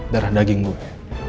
darah daging gue